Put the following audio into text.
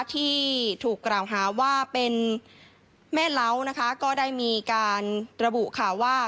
ที่ถูกกล่าวหาว่าเป็นแม่เล้านะคะก็ได้มีการระบุค่ะว่า